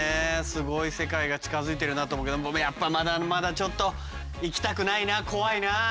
すごい世界が近づいてるなと思うけどやっぱまだまだちょっと行きたくないな怖いな。